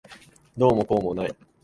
どうもこうもない。